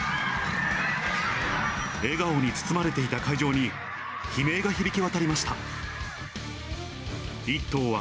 笑顔に包まれていた会場に、悲鳴が響き渡りました。